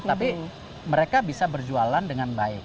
tapi mereka bisa berjualan dengan baik